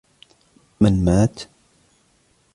من مات ؟